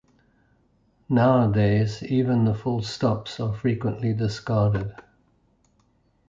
Nowadays, even the full stops are frequently discarded.